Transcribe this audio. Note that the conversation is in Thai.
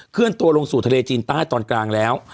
เลื่อนตัวลงสู่ทะเลจีนใต้ตอนกลางแล้ว